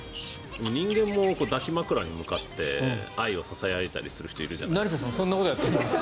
人間も抱き枕に向かって愛をささやいたりする人いるじゃないですか。